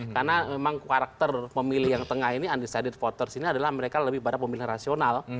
karena memang karakter pemilih yang tengah ini undecided spotter sini adalah mereka lebih pada pemilihan rasional